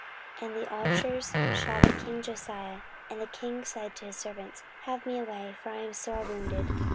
14:035:023 And the archers shot at king Josiah; and the king said to his servants, Have me away; for I am sore wounded.